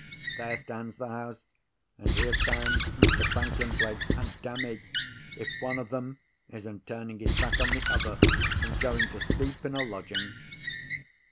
There stands the house, and here stands Mr. Franklin Blake—and, Damme, if one of them isn't turning his back on the other, and going to sleep in a lodging!"